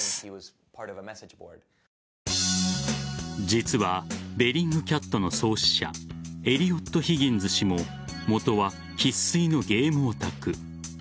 実はベリングキャットの創始者エリオット・ヒギンズ氏も元は生粋のゲームオタク。